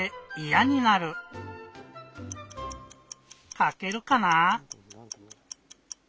かけるかなぁ？